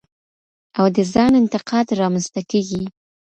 او د ځان انتقاد رامنځ ته کېږي.